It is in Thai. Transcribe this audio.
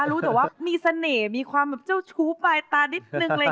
รู้แต่ว่ามีเสน่ห์มีความแบบเจ้าชู้ปลายตานิดนึงเลย